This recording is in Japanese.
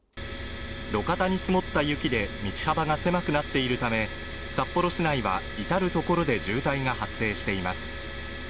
路肩に積もった雪で道幅が狭くなっているため札幌市内は至る所で渋滞が発生しています